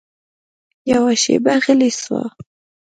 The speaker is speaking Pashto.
يوه شېبه غلى سو.